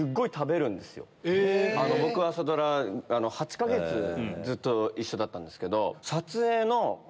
僕朝ドラ８か月ずっと一緒だったんですけど。